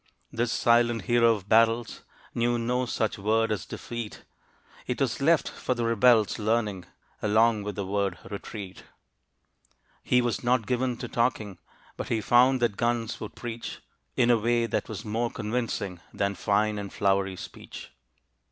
This silent hero of battles Knew no such word as defeat. It was left for the rebels' learning, Along with the word retreat. He was not given to talking, But he found that guns would preach In a way that was more convincing Than fine and flowery speech.